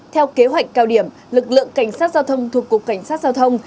theo kế hoạch cao điểm lực lượng cảnh sát giao thông thuộc cục cảnh sát giao thông